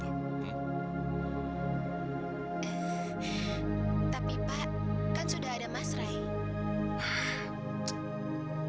tapi pak kan sudah ada mas ray